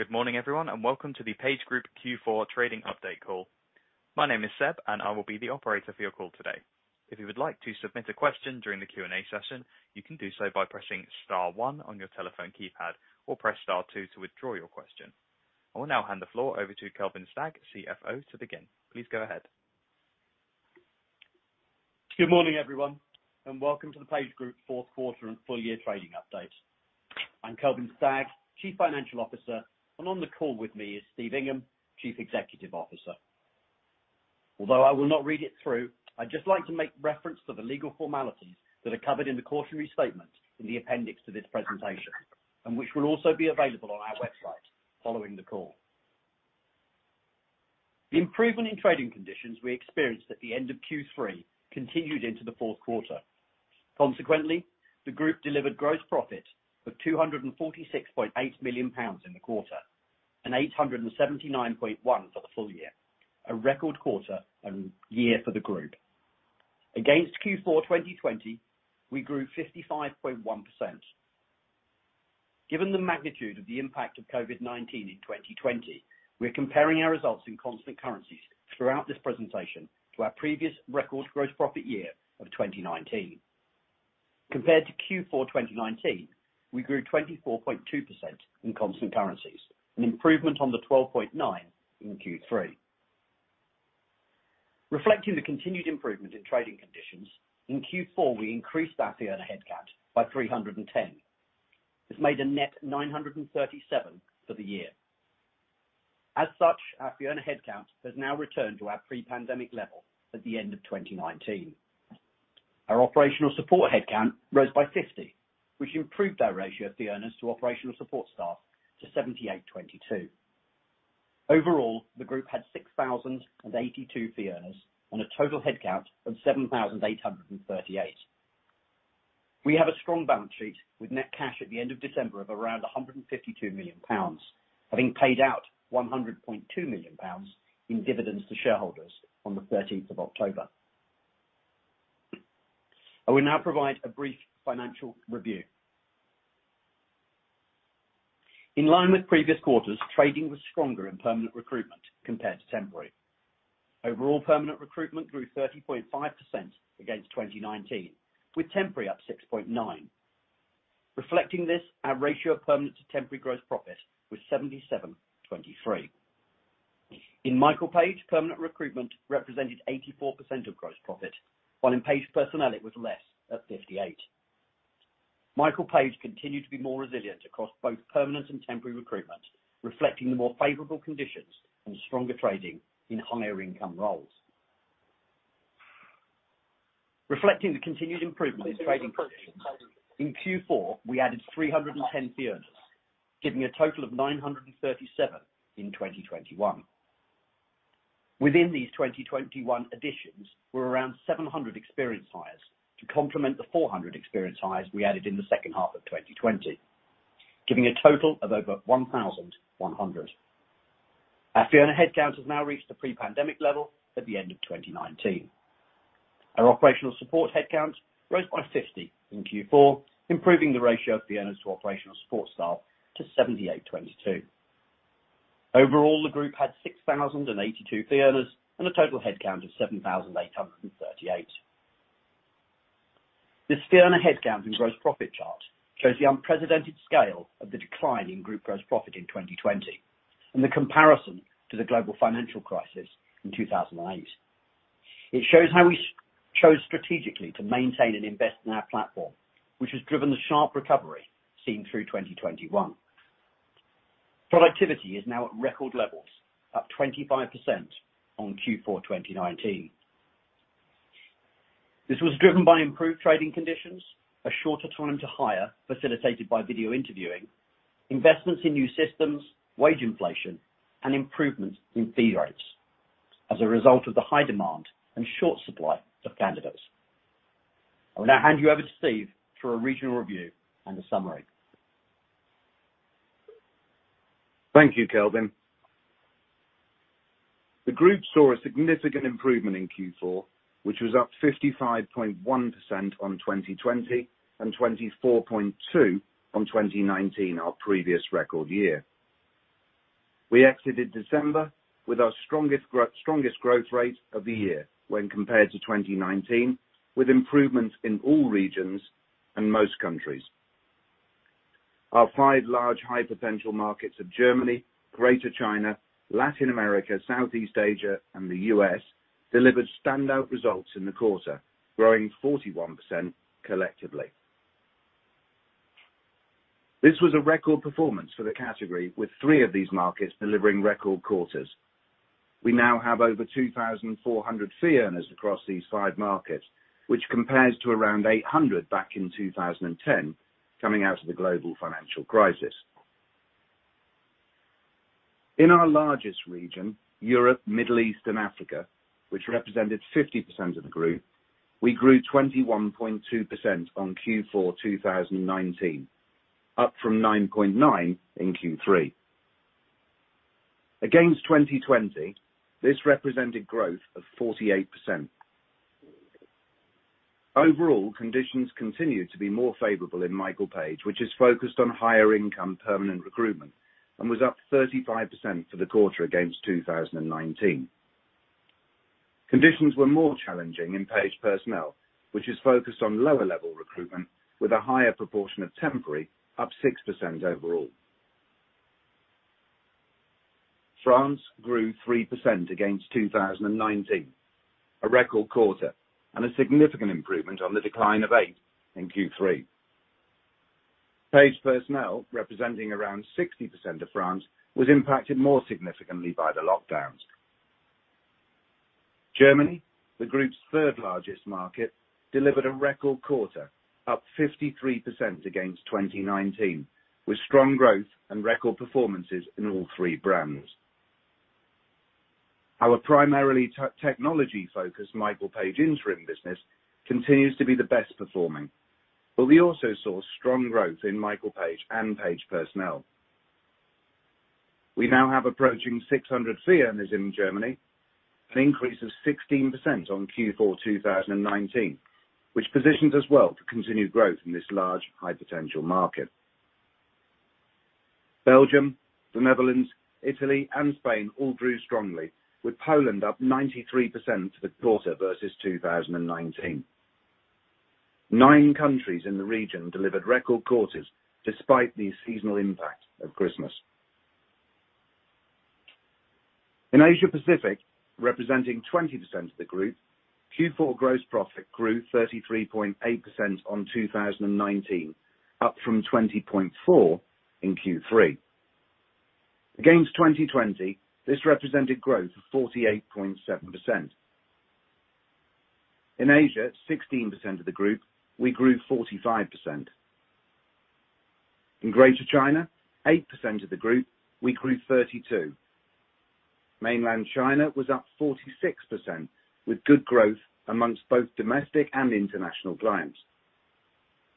Good morning, everyone, and welcome to the PageGroup Q4 trading update call. My name is Seb, and I will be the operator for your call today. If you would like to submit a question during the Q&A session, you can do so by pressing star one on your telephone keypad, or press star two to withdraw your question. I will now hand the floor over to Kelvin Stagg, CFO, to begin. Please go ahead. Good morning, everyone, and welcome to the PageGroup fourth quarter and full year trading update. I'm Kelvin Stagg, Chief Financial Officer, and on the call with me is Steve Ingham, Chief Executive Officer. Although I will not read it through, I'd just like to make reference to the legal formalities that are covered in the cautionary statement in the appendix to this presentation, and which will also be available on our website following the call. The improvement in trading conditions we experienced at the end of Q3 continued into the fourth quarter. Consequently, the group delivered gross profit of 246.8 million pounds in the quarter, and 879.1 million for the full year. A record quarter and year for the group. Against Q4 2020, we grew 55.1%. Given the magnitude of the impact of COVID-19 in 2020, we're comparing our results in constant currencies throughout this presentation to our previous record gross profit year of 2019. Compared to Q4 2019, we grew 24.2% in constant currencies, an improvement on the 12.9% in Q3. Reflecting the continued improvement in trading conditions, in Q4 we increased our fee earner headcount by 310. This made a net 937 for the year. As such, our fee earner headcount has now returned to our pre-pandemic level at the end of 2019. Our operational support headcount rose by 50, which improved our ratio of fee earners to operational support staff to 78:22. Overall, the group had 6,082 fee earners on a total headcount of 7,838. We have a strong balance sheet with net cash at the end of December of around 152 million pounds, having paid out 100.2 million pounds in dividends to shareholders on the 13th of October. I will now provide a brief financial review. In line with previous quarters, trading was stronger in permanent recruitment compared to temporary. Overall, permanent recruitment grew 30.5% against 2019, with temporary up 6.9%. Reflecting this, our ratio of permanent to temporary gross profit was 77:23. In Michael Page, permanent recruitment represented 84% of gross profit, while in Page Personnel it was less, at 58%. Michael Page continued to be more resilient across both permanent and temporary recruitment, reflecting the more favorable conditions and stronger trading in higher income roles. Reflecting the continued improvement in trading conditions, in Q4 we added 310 fee earners, giving a total of 937 in 2021. Within these 2021 additions were around 700 experienced hires to complement the 400 experienced hires we added in the second half of 2020, giving a total of over 1,100. Our fee earner headcount has now reached the pre-pandemic level at the end of 2019. Our operational support headcount rose by 50 in Q4, improving the ratio of fee earners to operational support staff to 78:22. Overall, the group had 6,082 fee earners and a total headcount of 7,838. This fee earner headcount and gross profit chart shows the unprecedented scale of the decline in group gross profit in 2020 and the comparison to the global financial crisis in 2008. It shows how we chose strategically to maintain and invest in our platform, which has driven the sharp recovery seen through 2021. Productivity is now at record levels, up 25% on Q4 2019. This was driven by improved trading conditions, a shorter time to hire, facilitated by video interviewing, investments in new systems, wage inflation and improvements in fee rates as a result of the high demand and short supply of candidates. I will now hand you over to Steve for a regional review and a summary. Thank you, Kelvin. The group saw a significant improvement in Q4, which was up 55.1% on 2020 and 24.2 on 2019, our previous record year. We exited December with our strongest growth rate of the year when compared to 2019, with improvements in all regions and most countries. Our five large high potential markets of Germany, Greater China, Latin America, Southeast Asia and the U.S. delivered standout results in the quarter, growing 41% collectively. This was a record performance for the category, with three of these markets delivering record quarters. We now have over 2,400 fee earners across these five markets, which compares to around 800 back in 2010, coming out of the global financial crisis. In our largest region, Europe, Middle East and Africa, which represented 50% of the group, we grew 21.2% on Q4 2019, up from 9.9% in Q3. Against 2020, this represented growth of 48%. Overall, conditions continue to be more favorable in Michael Page, which is focused on higher income permanent recruitment and was up 35% for the quarter against 2019. Conditions were more challenging in Page Personnel, which is focused on lower-level recruitment with a higher proportion of temporary up 6% overall. France grew 3% against 2019, a record quarter, and a significant improvement on the decline of 8% in Q3. Page Personnel, representing around 60% of France, was impacted more significantly by the lockdowns. Germany, the group's third-largest market, delivered a record quarter, up 53% against 2019, with strong growth and record performances in all three brands. Our primarily technology-focused Michael Page interim business continues to be the best performing, but we also saw strong growth in Michael Page and Page Personnel. We now have approaching 600 CMAs in Germany, an increase of 16% on Q4 2019, which positions us well to continue growth in this large high potential market. Belgium, the Netherlands, Italy and Spain all grew strongly, with Poland up 93% for the quarter versus 2019. Nine countries in the region delivered record quarters despite the seasonal impact of Christmas. In Asia Pacific, representing 20% of the group, Q4 gross profit grew 33.8% on 2019, up from 20.4% in Q3. Against 2020, this represented growth of 48.7%. In Asia, 16% of the group, we grew 45%. In Greater China, 8% of the group, we grew 32%. Mainland China was up 46% with good growth among both domestic and international clients.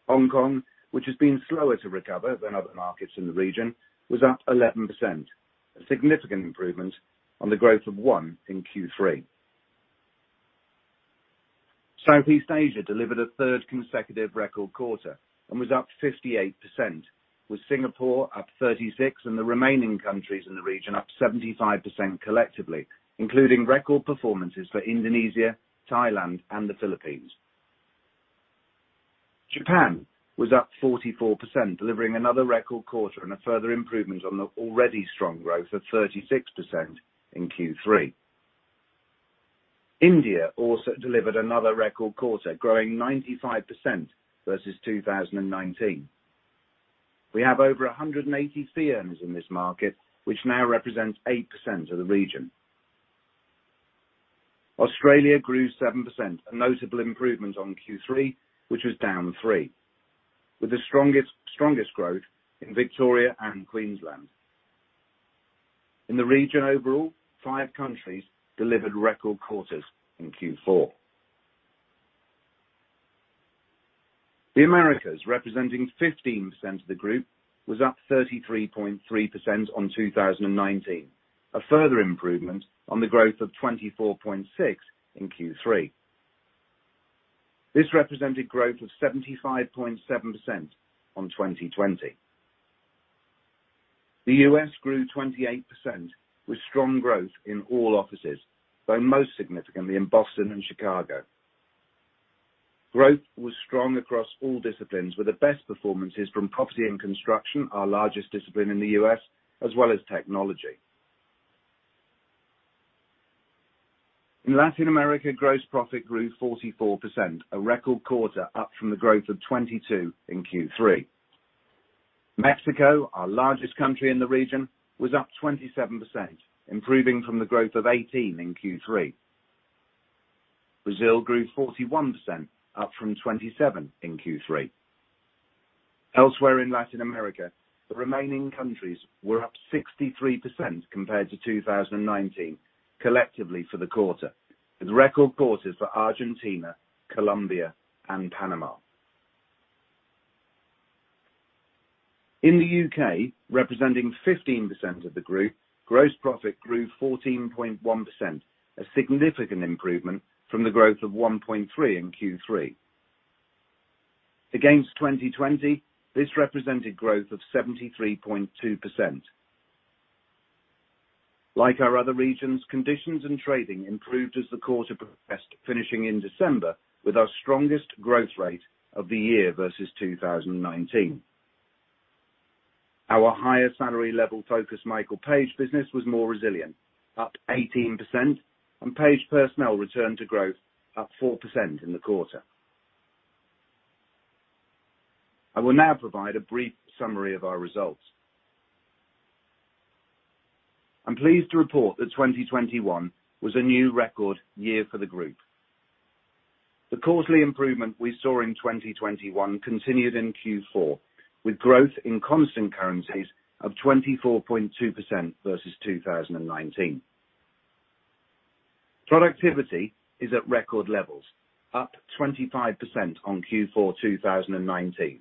Hong Kong, which has been slower to recover than other markets in the region, was up 11%, a significant improvement on the growth of 1% in Q3. Southeast Asia delivered a third consecutive record quarter and was up 58%, with Singapore up 36% and the remaining countries in the region up 75% collectively, including record performances for Indonesia, Thailand and the Philippines. Japan was up 44%, delivering another record quarter and a further improvement on the already strong growth of 36% in Q3. India also delivered another record quarter, growing 95% versus 2019. We have over 180 CMAs in this market, which now represents 8% of the region. Australia grew 7%, a notable improvement on Q3, which was down 3%, with the strongest growth in Victoria and Queensland. In the region overall, five countries delivered record quarters in Q4. The Americas, representing 15% of the group, was up 33.3% on 2019, a further improvement on the growth of 24.6% in Q3. This represented growth of 75.7% on 2020. The U.S. grew 28% with strong growth in all offices, though most significantly in Boston and Chicago. Growth was strong across all disciplines, with the best performances from property and construction, our largest discipline in the U.S., as well as technology. In Latin America, gross profit grew 44%, a record quarter up from the growth of 22% in Q3. Mexico, our largest country in the region, was up 27%, improving from the growth of 18% in Q3. Brazil grew 41%, up from 27% in Q3. Elsewhere in Latin America, the remaining countries were up 63% compared to 2019 collectively for the quarter, with record quarters for Argentina, Colombia and Panama. In the U.K., representing 15% of the group, gross profit grew 14.1%, a significant improvement from the growth of 1.3% in Q3. Against 2020, this represented growth of 73.2%. Like our other regions, conditions and trading improved as the quarter progressed, finishing in December with our strongest growth rate of the year versus 2019. Our higher salary level focus Michael Page business was more resilient, up 18% and Page Personnel returned to growth, up 4% in the quarter. I will now provide a brief summary of our results. I'm pleased to report that 2021 was a new record year for the group. The quarterly improvement we saw in 2021 continued in Q4, with growth in constant currencies of 24.2% versus 2019. Productivity is at record levels, up 25% on Q4 2019.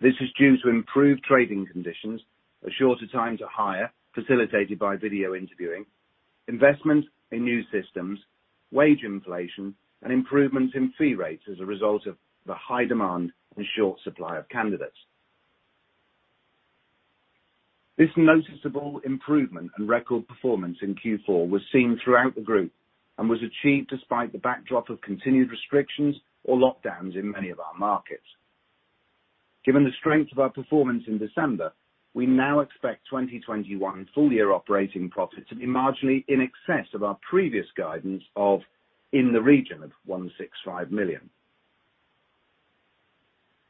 This is due to improved trading conditions, a shorter time to hire, facilitated by video interviewing, investment in new systems, wage inflation, and improvements in fee rates as a result of the high demand and short supply of candidates. This noticeable improvement and record performance in Q4 was seen throughout the group, and was achieved despite the backdrop of continued restrictions or lockdowns in many of our markets. Given the strength of our performance in December, we now expect 2021 full year operating profit to be marginally in excess of our previous guidance of in the region of 165 million.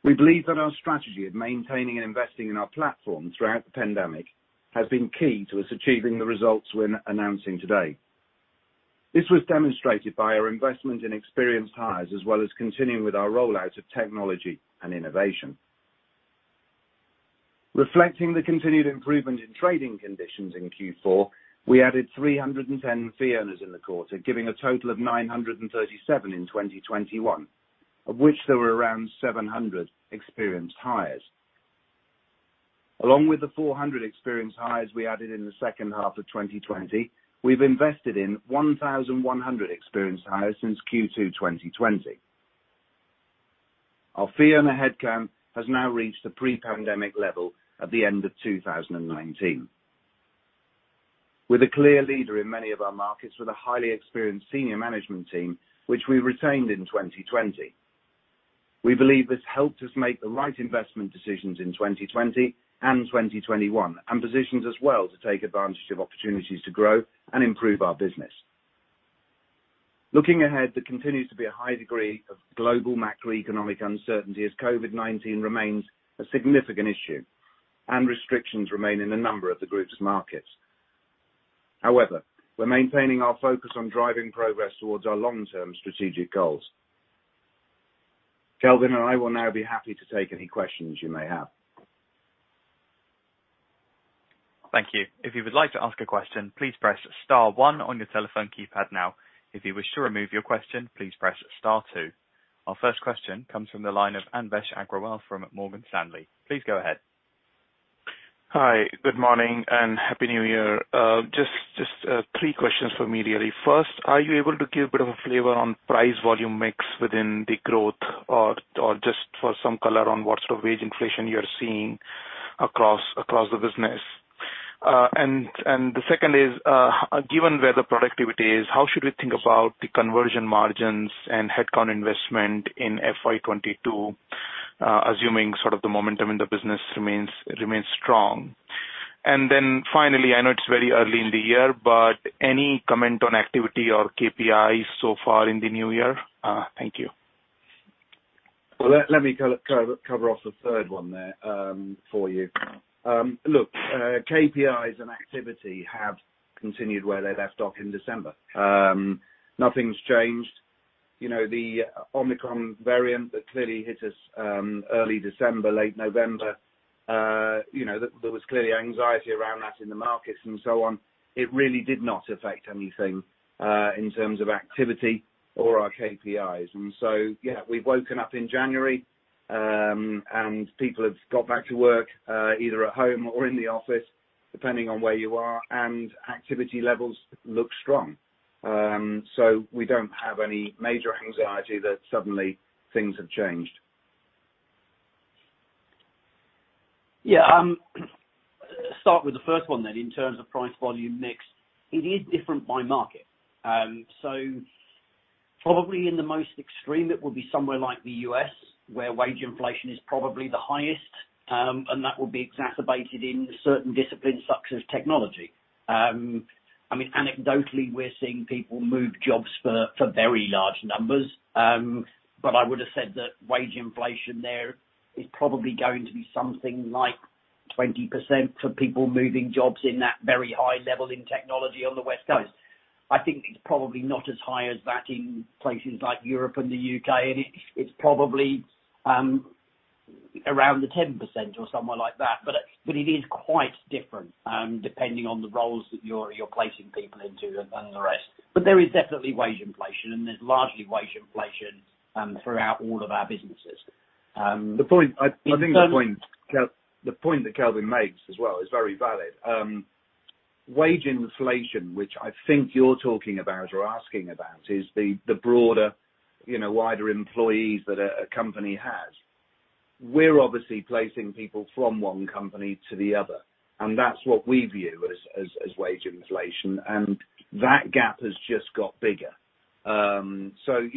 We believe that our strategy of maintaining and investing in our platform throughout the pandemic has been key to us achieving the results we're announcing today. This was demonstrated by our investment in experienced hires, as well as continuing with our rollout of technology and innovation. Reflecting the continued improvement in trading conditions in Q4, we added 310 fee earners in the quarter, giving a total of 937 in 2021, of which there were around 700 experienced hires. Along with the 400 experienced hires we added in the second half of 2020, we've invested in 1,100 experienced hires since Q2 2020. Our fee earner headcount has now reached the pre-pandemic level at the end of 2019. We're the clear leader in many of our markets with a highly experienced senior management team, which we retained in 2020. We believe this helped us make the right investment decisions in 2020 and 2021, and positions us well to take advantage of opportunities to grow and improve our business. Looking ahead, there continues to be a high degree of global macroeconomic uncertainty, as COVID-19 remains a significant issue and restrictions remain in a number of the group's markets. However, we're maintaining our focus on driving progress towards our long-term strategic goals. Kelvin and I will now be happy to take any questions you may have. Thank you. If you would like to ask a question, please press star one on your telephone keypad now. If you wish to remove your question, please press star two. Our first question comes from the line of Anvesh Agrawal from Morgan Stanley. Please go ahead. Hi, good morning and Happy New Year. Just three questions for me today. First, are you able to give a bit of a flavor on price volume mix within the growth or just for some color on what sort of wage inflation you're seeing across the business? The second is, given where the productivity is, how should we think about the conversion margins and headcount investment in FY 2022, assuming sort of the momentum in the business remains strong. Finally, I know it's very early in the year, but any comment on activity or KPIs so far in the new year? Thank you. Well, let me cover off the third one there, for you. Look, KPIs and activity have continued where they left off in December. Nothing's changed. You know, the Omicron variant that clearly hit us, early December, late November, you know, there was clearly anxiety around that in the markets and so on. It really did not affect anything, in terms of activity or our KPIs. Yeah, we've woken up in January, and people have got back to work, either at home or in the office, depending on where you are, and activity levels look strong. We don't have any major anxiety that suddenly things have changed. Yeah. Start with the first one then, in terms of price volume mix. It is different by market. Probably in the most extreme, it will be somewhere like the U.S., where wage inflation is probably the highest, and that will be exacerbated in certain disciplines such as technology. I mean, anecdotally, we're seeing people move jobs for very large numbers. I would have said that wage inflation there is probably going to be something like 20% for people moving jobs in that very high level in technology on the West Coast. I think it's probably not as high as that in places like Europe and the U.K. It's probably around the 10% or somewhere like that. It is quite different depending on the roles that you're placing people into and the rest. there is definitely wage inflation, and there's largely wage inflation throughout all of our businesses. The point that Kelvin makes as well is very valid. Wage inflation, which I think you're talking about or asking about is the broader, you know, wider employees that a company has. We're obviously placing people from one company to the other, and that's what we view as wage inflation. That gap has just got bigger. You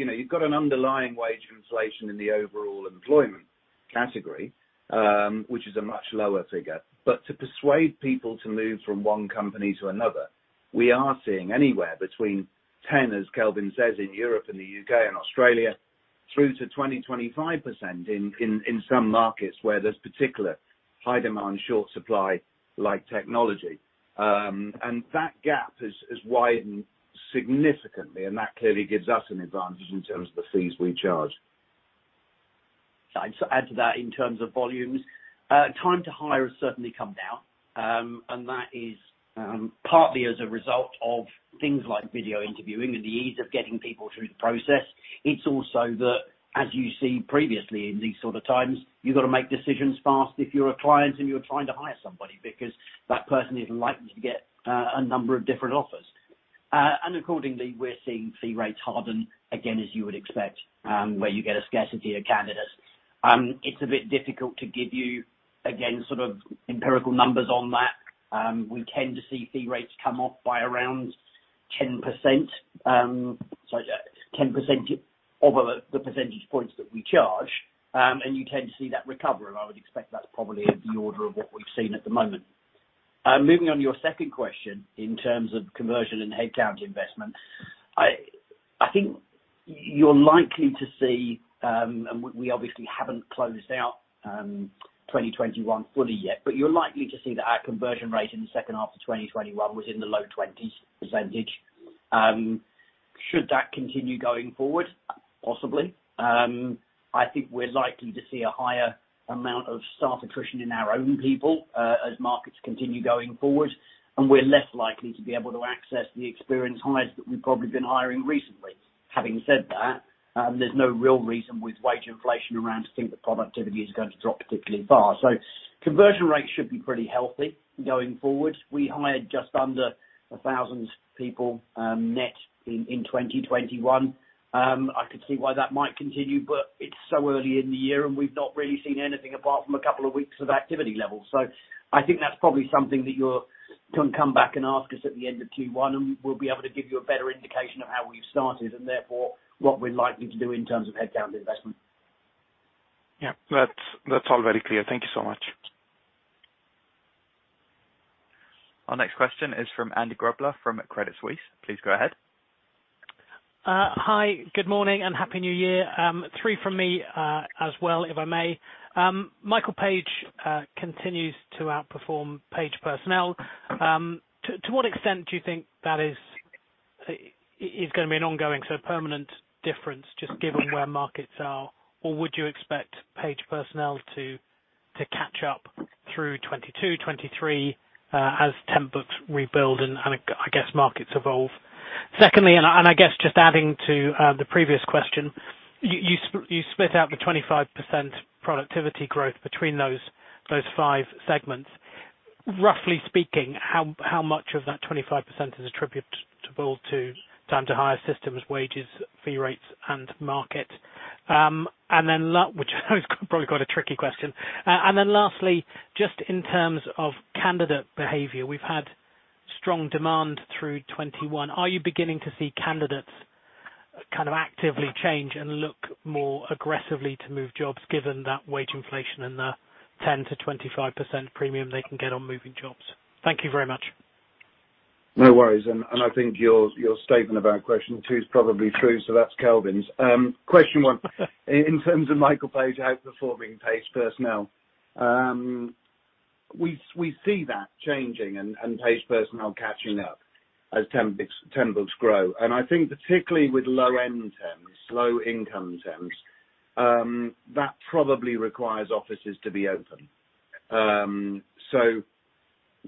know, you've got an underlying wage inflation in the overall employment category, which is a much lower figure. To persuade people to move from one company to another, we are seeing anywhere between 10, as Kelvin says in Europe and the U.K. and Australia, through to 20, 25% in some markets where there's particular high demand, short supply, like technology. That gap has widened significantly, and that clearly gives us an advantage in terms of the fees we charge. I'd add to that in terms of volumes. Time to hire has certainly come down. That is partly as a result of things like video interviewing and the ease of getting people through the process. It's also that, as you see previously in these sort of times, you've gotta make decisions fast if you're a client and you're trying to hire somebody, because that person is likely to get a number of different offers. Accordingly, we're seeing fee rates harden, again, as you would expect, where you get a scarcity of candidates. It's a bit difficult to give you, again, sort of empirical numbers on that. We tend to see fee rates come off by around 10%, so 10% of the percentage points that we charge. You tend to see that recover, and I would expect that's probably the order of what we've seen at the moment. Moving on to your second question in terms of conversion and head count investment. I think you're likely to see and we obviously haven't closed out 2021 fully yet, but you're likely to see that our conversion rate in the second half of 2021 was in the low 20s percentage. Should that continue going forward? Possibly. I think we're likely to see a higher amount of staff attrition in our own people as markets continue going forward, and we're less likely to be able to access the experienced hires that we've probably been hiring recently. Having said that, there's no real reason with wage inflation around to think that productivity is going to drop particularly far. Conversion rates should be pretty healthy going forward. We hired just under 1,000 people net in 2021. I could see why that might continue, but it's so early in the year, and we've not really seen anything apart from a couple of weeks of activity levels. I think that's probably something that can come back and ask us at the end of Q1, and we'll be able to give you a better indication of how we've started and therefore what we're likely to do in terms of headcount investment. Yeah. That's all very clear. Thank you so much. Our next question is from Andy Grobler from Credit Suisse. Please go ahead. Hi, good morning, and happy new year. Three from me, as well, if I may. Michael Page continues to outperform Page Personnel. To what extent do you think that is gonna be an ongoing, so permanent difference, just given where markets are? Or would you expect Page Personnel to catch up through 2022/2023, as temp books rebuild and I guess markets evolve? Secondly, I guess just adding to the previous question, you split out the 25% productivity growth between those five segments. Roughly speaking, how much of that 25% is attributable to time to hire systems, wages, fee rates and market? Which is probably quite a tricky question. Lastly, just in terms of candidate behavior, we've had strong demand through 2021. Are you beginning to see candidates kind of actively change and look more aggressively to move jobs, given that wage inflation and the 10%-25% premium they can get on moving jobs? Thank you very much. No worries. I think your statement about question two is probably true, so that's Kelvin's. Question one, in terms of Michael Page outperforming Page Personnel. We see that changing and Page Personnel catching up as temp books grow. I think particularly with low-end temps, low-income temps, that probably requires offices to be open.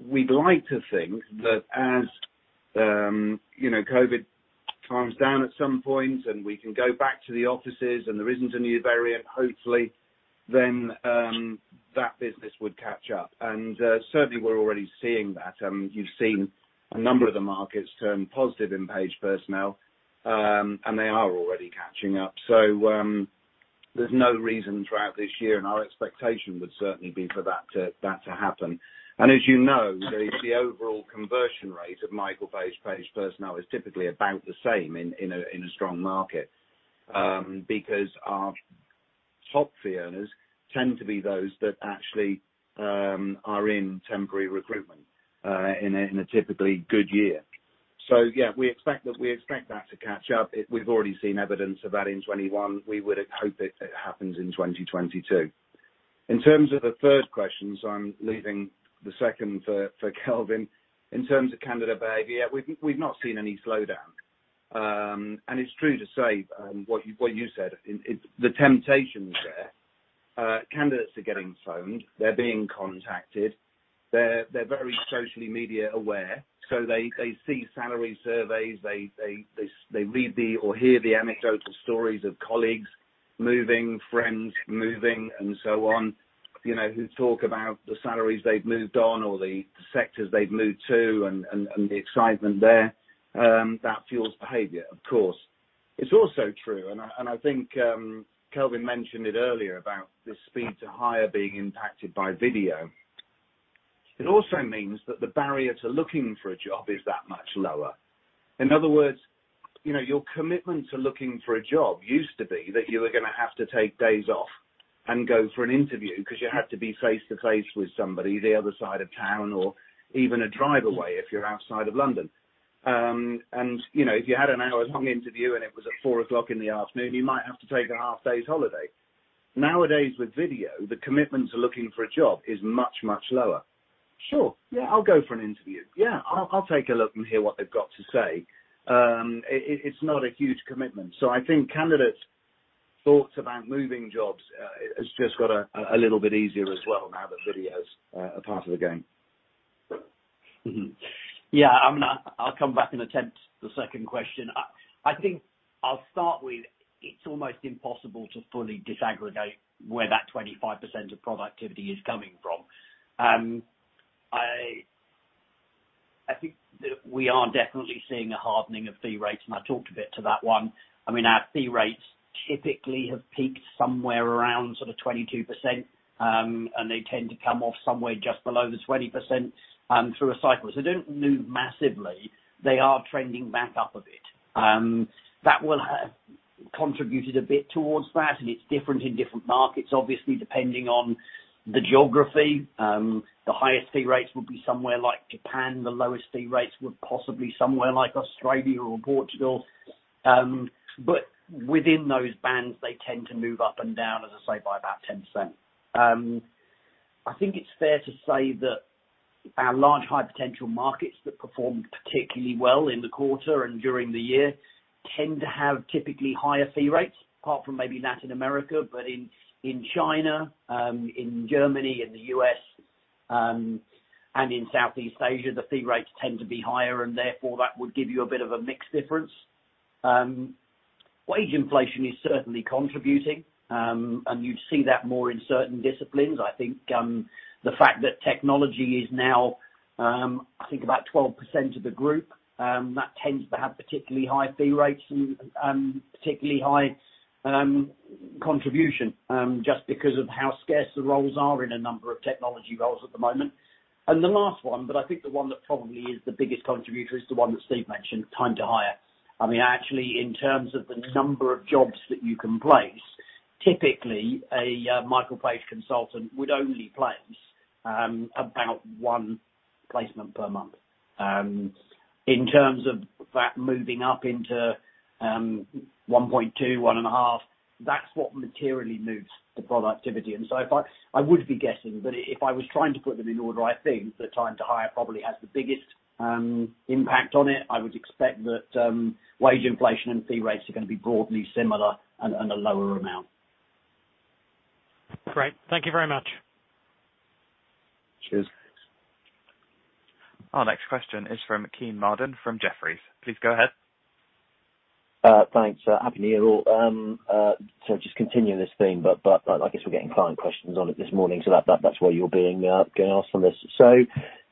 We'd like to think that as you know, COVID calms down at some point and we can go back to the offices and there isn't a new variant, hopefully, then that business would catch up. Certainly, we're already seeing that. You've seen a number of the markets turn positive in Page Personnel, and they are already catching up. There's no reason throughout this year, and our expectation would certainly be for that to happen. As you know, the overall conversion rate of Michael Page Personnel is typically about the same in a strong market. Because our top fee earners tend to be those that actually are in temporary recruitment in a typically good year. Yeah, we expect that to catch up. We've already seen evidence of that in 2021. We would hope it happens in 2022. In terms of the third question, I'm leaving the second for Kelvin. In terms of candidate behavior, we've not seen any slowdown. It's true to say what you said. It's the temptation's there. Candidates are getting phoned, they're being contacted. They're very social media aware, so they see salary surveys, they read or hear the anecdotal stories of colleagues moving, friends moving and so on, you know, who talk about the salaries they've moved on or the sectors they've moved to and the excitement there. That fuels behavior, of course. It's also true, and I think Kelvin mentioned it earlier about the speed to hire being impacted by video. It also means that the barrier to looking for a job is that much lower. In other words, you know, your commitment to looking for a job used to be that you were gonna have to take days off and go for an interview, 'cause you had to be face to face with somebody the other side of town or even a drive away if you're outside of London. You know, if you had an hour-long interview and it was at 4:00 P.M., you might have to take a half day's holiday. Nowadays, with video, the commitment to looking for a job is much, much lower. Sure. Yeah, I'll go for an interview. Yeah, I'll take a look and hear what they've got to say. It's not a huge commitment, so I think candidates' thoughts about moving jobs has just got a little bit easier as well now that video is a part of the game. Yeah, I'll come back and attempt the second question. I think I'll start with, it's almost impossible to fully disaggregate where that 25% of productivity is coming from. I think that we are definitely seeing a hardening of fee rates, and I talked a bit to that one. I mean, our fee rates typically have peaked somewhere around sort of 22%, and they tend to come off somewhere just below the 20%, through a cycle. Don't move massively. They are trending back up a bit. That will have contributed a bit towards that, and it's different in different markets, obviously, depending on the geography. The highest fee rates would be somewhere like Japan, the lowest fee rates would possibly somewhere like Australia or Portugal. Within those bands, they tend to move up and down, as I say, by about 10%. I think it's fair to say that our large high potential markets that performed particularly well in the quarter and during the year tend to have typically higher fee rates, apart from maybe Latin America, but in China, in Germany, in the U.S., and in Southeast Asia, the fee rates tend to be higher and therefore that would give you a bit of a mix difference. Wage inflation is certainly contributing, and you see that more in certain disciplines. I think, the fact that technology is now, I think about 12% of the group, that tends to have particularly high fee rates and, particularly high contribution, just because of how scarce the roles are in a number of technology roles at the moment. The last one, but I think the one that probably is the biggest contributor is the one that Steve mentioned, time to hire. I mean, actually, in terms of the number of jobs that you can place, typically, a Michael Page consultant would only place, about one placement per month. In terms of that moving up into, 1.2, 1.5, that's what materially moves the productivity. If I... I would be guessing, but if I was trying to put them in order, I think the time to hire probably has the biggest impact on it. I would expect that, wage inflation and fee rates are gonna be broadly similar and a lower amount. Great. Thank you very much. Cheers. Our next question is from Kean Marden from Jefferies. Please go ahead. Thanks. Happy new year, all. Just continuing this theme, but I guess we're getting client questions on it this morning, so that's why you're getting asked on this.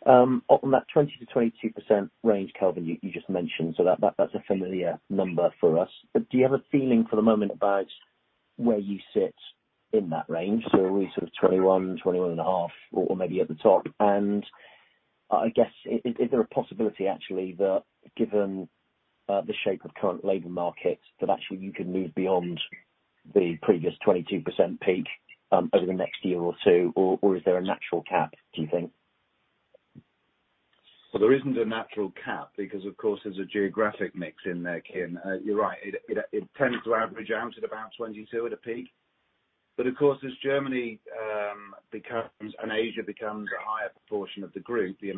On that 20%-22% range, Kelvin, you just mentioned, so that's a familiar number for us. Do you have a feeling for the moment about where you sit in that range? Are we sort of 21.5%, or maybe at the top? I guess, is there a possibility actually that given the shape of current labor markets, that actually you can move beyond the previous 22% peak over the next year or two, or is there a natural cap, do you think? Well, there isn't a natural cap because, of course, there's a geographic mix in there, Kean. You're right. It tends to average out at about 22% at a peak. Of course, as Germany and Asia becomes a higher proportion of the group, the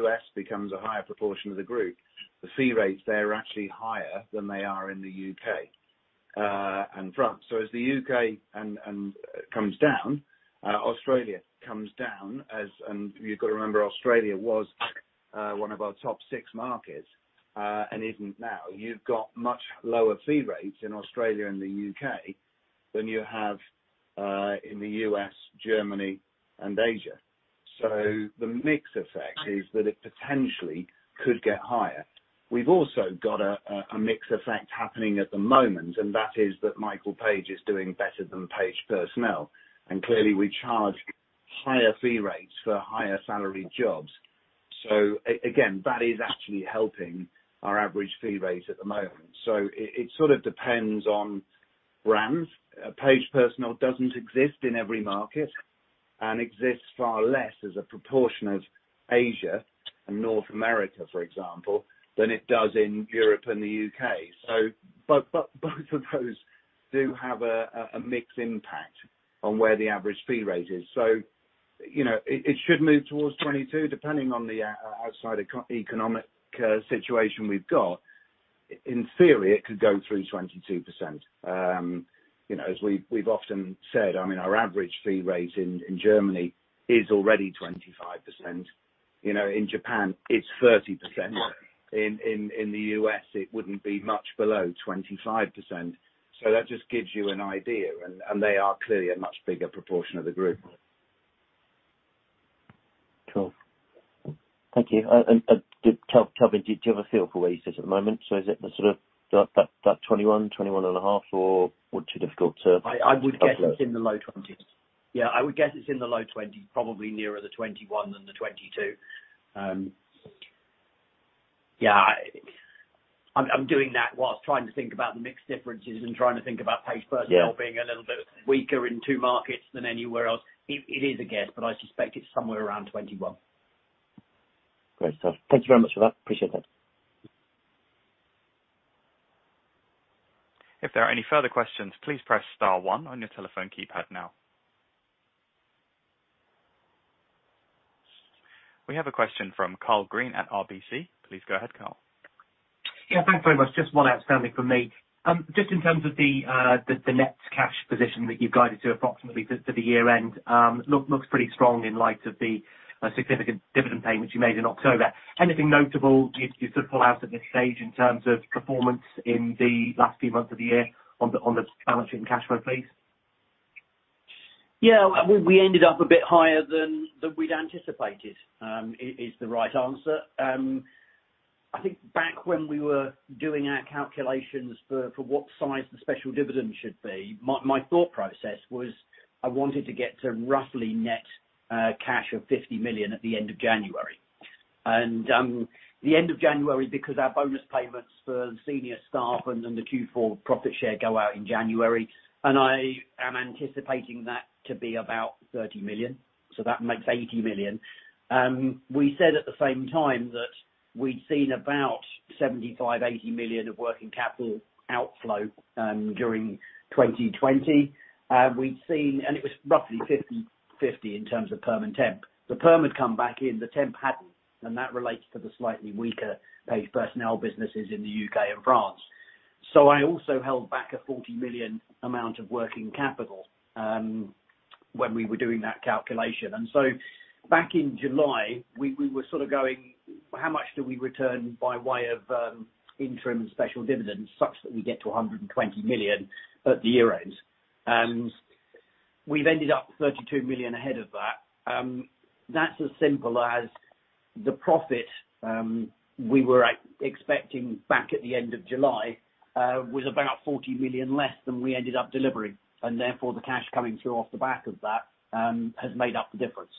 U.S. becomes a higher proportion of the group, the fee rates there are actually higher than they are in the U.K. and France. As the U.K. and Australia comes down, and you've got to remember, Australia was one of our top six markets and isn't now. You've got much lower fee rates in Australia and the U.K. than you have in the U.S., Germany, and Asia. The mix effect is that it potentially could get higher. We've got a mix effect happening at the moment, and that is that Michael Page is doing better than Page Personnel, and clearly, we charge higher fee rates for higher salary jobs. Again, that is actually helping our average fee rate at the moment. It sort of depends on brands. Page Personnel doesn't exist in every market and exists far less as a proportion of Asia and North America, for example, than it does in Europe and the U.K. Both of those do have a mixed impact on where the average fee rate is. You know, it should move towards 22%, depending on the outside economic situation we've got. In theory, it could go through 22%. You know, as we've often said, I mean, our average fee rate in Germany is already 25%. You know, in Japan it's 30%. In the U.S., it wouldn't be much below 25%. That just gives you an idea, and they are clearly a much bigger proportion of the group. Cool. Thank you. Did Kelvin, do you have a feel for where it is at the moment? Is it the sort of that 21.5%, or too difficult to- I would guess it's in the low 20%. Yeah, I would guess it's in the low 20%, probably nearer the 21% than the 22%. Yeah, I'm doing that while trying to think about the mix differences and trying to think about Page Personnel. Yeah. Being a little bit weaker in two markets than anywhere else. It is a guess, but I suspect it's somewhere around 21%. Great stuff. Thank you very much for that. Appreciate that. We have a question from Karl Green at RBC. Please go ahead, Karl. Yeah, thanks very much. Just one outstanding from me. Just in terms of the net cash position that you've guided to approximately for the year-end, looks pretty strong in light of the significant dividend payment you made in October. Anything notable you'd sort of pull out at this stage in terms of performance in the last few months of the year on the balance sheet and cash flow, please? Well, we ended up a bit higher than we'd anticipated, is the right answer. I think back when we were doing our calculations for what size the special dividend should be, my thought process was I wanted to get to roughly net cash of 50 million at the end of January. The end of January, because our bonus payments for senior staff and then the Q4 profit share go out in January, and I am anticipating that to be about 30 million, so that makes 80 million. We said at the same time that we'd seen about 75-80 million of working capital outflow during 2020. It was roughly 50/50 in terms of perm and temp. The perm had come back in, the temp hadn't, and that relates to the slightly weaker Page Personnel businesses in the U.K. and France. I also held back a 40 million amount of working capital, when we were doing that calculation. Back in July, we were sort of going, how much do we return by way of, interim special dividends such that we get to a 120 million at the year-end? We've ended up 32 million ahead of that. That's as simple as the profit we were expecting back at the end of July, was about 40 million less than we ended up delivering, and therefore the cash coming through off the back of that, has made up the difference.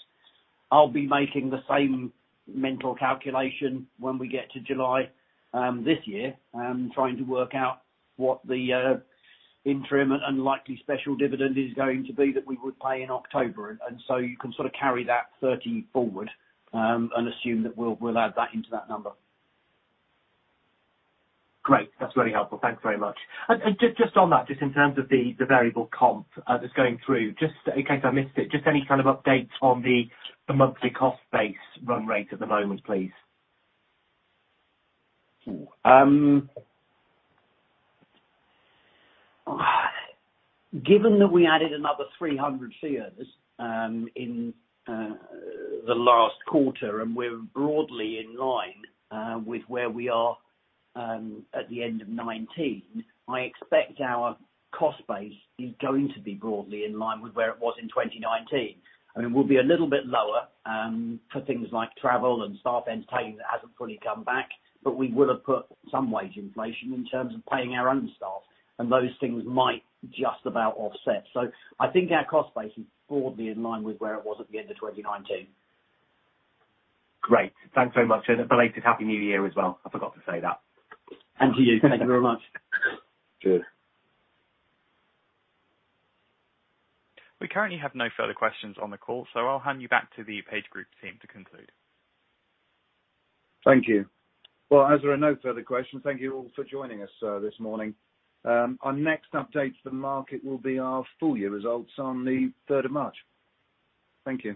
I'll be making the same mental calculation when we get to July this year trying to work out what the interim and unlikely special dividend is going to be that we would pay in October. You can sort of carry that 30 forward and assume that we'll add that into that number. Great. That's really helpful. Thanks very much. Just on that, just in terms of the variable comp that's going through, just in case I missed it, just any kind of update on the monthly cost base run rate at the moment, please? Given that we added another 300 fee earners in the last quarter and we're broadly in line with where we are at the end of 2019, I expect our cost base is going to be broadly in line with where it was in 2019. I mean, we'll be a little bit lower for things like travel and staff entertainment that hasn't fully come back. We would have put some wage inflation in terms of paying our own staff, and those things might just about offset. I think our cost base is broadly in line with where it was at the end of 2019. Great. Thanks very much. A belated happy New Year as well. I forgot to say that. To you. Thank you very much. We currently have no further questions on the call, so I'll hand you back to the PageGroup team to conclude. Thank you. Well, as there are no further questions, thank you all for joining us, this morning. Our next update to the market will be our full year results on the 3rd of March. Thank you.